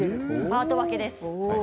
パート分けです。